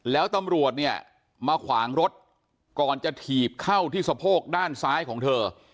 แล้วตำรวจเนี่ยมาขวางรถก่อนจะถีบเข้าที่สะโพกด้านซ้ายของเธอ